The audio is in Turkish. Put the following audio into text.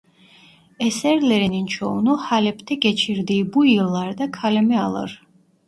Eserlerinin çoğunu Halep'te geçirdiği bu yıllarda kaleme alır.